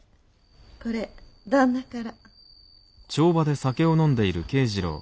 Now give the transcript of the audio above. これ旦那から。